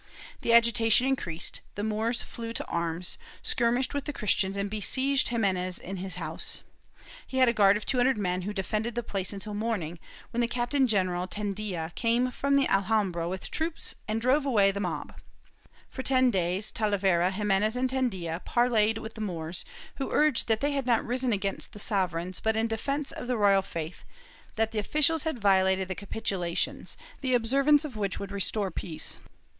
The agitation increased; the Moors flew to arms, skirmished with the Christians and besieged Ximenes in his house. He had a guard of two hundred men who defended the place until the morning, when the Captain general Tendilla came down from the Alhambra with troops and drove away the mob. For ten days Talavera, Ximenes and Tendilla parleyed with the Moors, who urged that they had not risen against the sovereigns but in defence of the royal faith ; that the officials had ' Mannol Carvajol, p. 152. — Pedraza, Hist, eccles. de Granada, fol. 174, 186 7. Chap. II] CONVERSION OF GRANADA 321 violated the capitulations, the observance of which would restore peace.